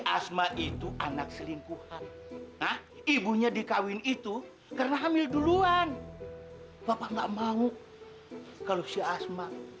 asma itu anak selingkuhan nah ibunya dikawin itu karena hamil duluan bapak enggak mau kalau si asma